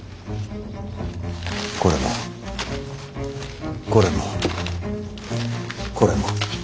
これもこれもこれも。